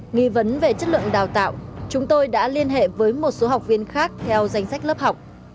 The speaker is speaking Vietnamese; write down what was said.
nghi vấn về chất lượng đào tạo chúng tôi đã liên hệ với một số học viên khác theo danh sách lớp học